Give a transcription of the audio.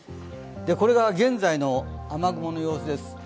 これが現在の雨雲の様子です。